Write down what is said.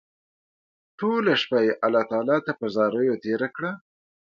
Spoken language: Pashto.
ټوله شپه يې الله تعالی ته په زاريو تېره کړه